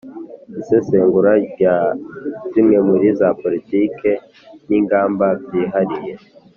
isesengura rya zimwe muri za politiki n'ingamba byihariye